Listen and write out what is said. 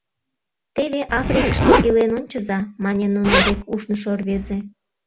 Теве Африкыште илен ончыза, — мане нунын дек ушнышо рвезе.